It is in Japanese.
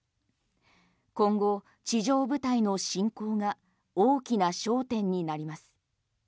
今後、地上部隊の侵攻が大きな焦点になります。